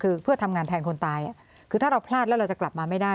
คือเพื่อทำงานแทนคนตายคือถ้าเราพลาดแล้วเราจะกลับมาไม่ได้